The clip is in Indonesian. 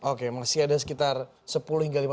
oke masih ada sekitar sepuluh hingga lima belas us dollar